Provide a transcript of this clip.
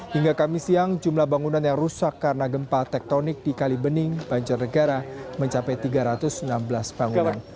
hingga kamis siang jumlah bangunan yang rusak karena gempa tektonik di kalibening banjarnegara mencapai tiga ratus enam belas bangunan